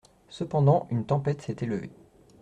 Cependant une tempête s'est élevée.